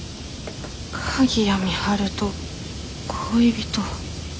鍵谷美晴と恋人。